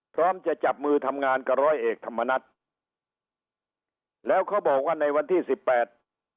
พร้อมจะจับมือทำงานกับร้อยเอกธรรมนัฐแล้วเขาบอกว่าในวันที่สิบแปด